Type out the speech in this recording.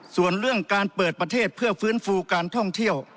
ส่วนเรื่องการเปิดประเทศเพื่อฟื้นฟูการท่องเที่ยว